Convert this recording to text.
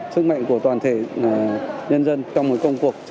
sức mạnh của tổ chức